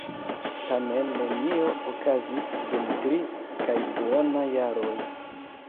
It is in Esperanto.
Tamen nenio okazis dum tri kaj duona jaroj.